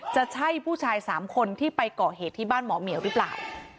จะใช่ผู้ชาย๓คนที่ไปก่อเหตุที่บ้านหมอเหมียวหรือเปล่า